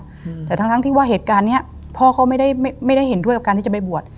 อืมแต่ทั้งทั้งที่ว่าเหตุการณ์เนี้ยพ่อเขาไม่ได้ไม่ไม่ได้เห็นด้วยกับการที่จะไปบวช